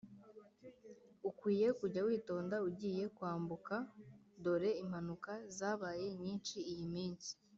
ukwiye kujya witonda ugiye kwambuka dore impanuka zabaye nyinshi iyi minsi